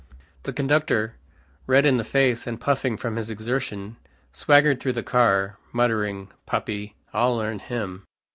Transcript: The conductor, red in the face and puffing from his exertion, swaggered through the car, muttering "Puppy, I'll learn him."